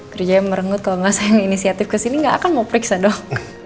kerjanya merenggut kalau ga saya yang inisiatif ke sini ga akan mau periksa dok